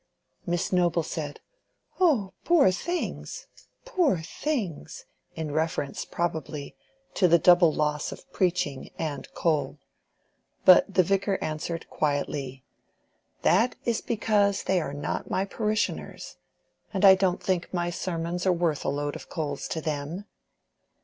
Miss Noble said, "Oh poor things! poor things!" in reference, probably, to the double loss of preaching and coal. But the Vicar answered quietly— "That is because they are not my parishioners. And I don't think my sermons are worth a load of coals to them."